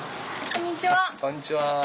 こんにちは。